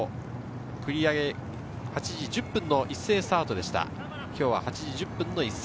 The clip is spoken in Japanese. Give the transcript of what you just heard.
繰り上げ８時１０分の一斉スタートでした。